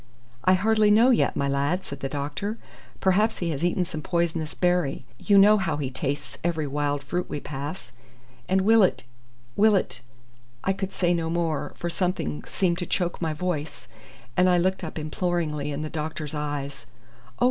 "I hardly know yet, my lad," said the doctor. "Perhaps he has eaten some poisonous berry. You know how he tastes every wild fruit we pass." "And will it will it " I could say no more, for something seemed to choke my voice, and I looked up imploringly in the doctor's eyes. "Oh!